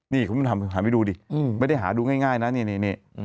นี่คุณผู้ชมหันไปดูดิไม่ได้หาดูง่ายนะนี่